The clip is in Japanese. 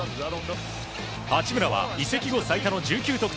八村は移籍後最多の１９得点。